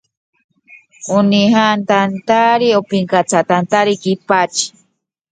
Decretado por la ley territorial.